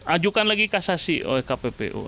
ajukan lagi kasasi oleh kppu